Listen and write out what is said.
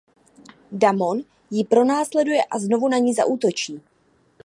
Damon ji pronásleduje a znovu na ni zaútočí.